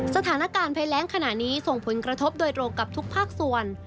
สถานการณ์ภัยแรงขณะนี้ส่งผลกระทบโดยตรงกับทุกภาคส่วน